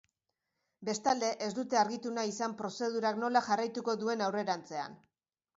Bestalde, ez dute argitu nahi izan prozedurak nola jarraituko duen aurrerantzean.